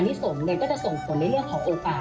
อนิสงฆ์นึงก็จะส่งความเลี้ยงของโอกาส